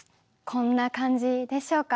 こんな感じでしょうか？